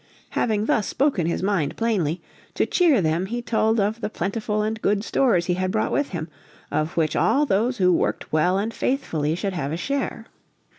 Having thus spoken his mind plainly, to cheer them he told of the plentiful and good stores he had brought with him, of which all those who worked well and faithfully should have a share.